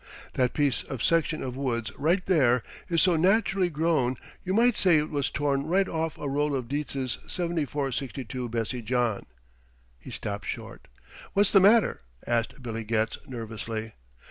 That piece of section of woods right there is so naturally grown you might say it was torn right off a roll of Dietz's 7462 Bessie John." He stopped short. "What's the matter?" asked Billy Getz nervously.